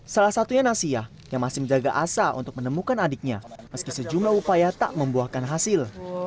salah satunya nasiah yang masih menjaga asa untuk menemukan adiknya meski sejumlah upaya tak membuahkan hasil